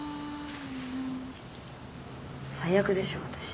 最悪でしょ私。